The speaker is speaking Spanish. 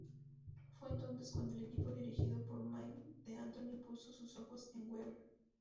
Fue entonces cuando el equipo dirigido por Mike D'Antoni puso sus ojos en Weber.